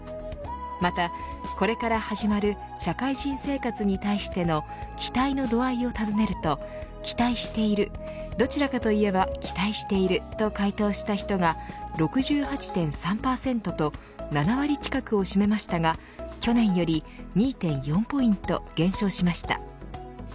また、これから始まる社会人生活に対しての期待の度合いを尋ねると期待しているどちらかといえば期待していると回答した人が６８．３％と７割近くを占めましたが去年より２．４ポイント減少しました。